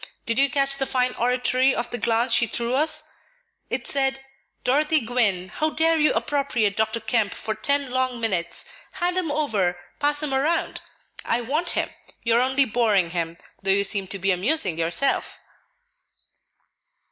Did you catch the fine oratory of the glance she threw us? It said, 'Dorothy Gwynne, how dare you appropriate Dr. Kemp for ten long minutes? Hand him over; pass him around. I want him; you are only boring him, though you seem to be amusing yourself."